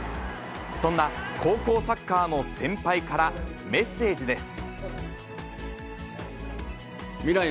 そんな高校サッカーの先輩からメッセージです。